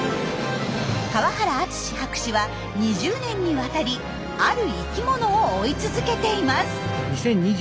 河原淳博士は２０年にわたりある生きものを追い続けています。